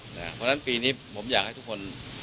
เพราะฉะนั้นปีนี้ผมอยากให้ทุกคน